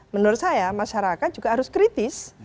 menurut saya masyarakat juga harus kritis